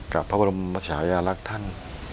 กับพระบรมภาษายาลักษณ์ท่าน